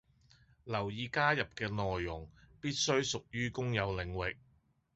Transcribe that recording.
留意加入嘅內容必須屬於公有領域